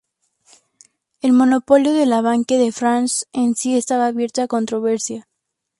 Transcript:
El monopolio de la Banque de France en sí estaba abierto a controversia.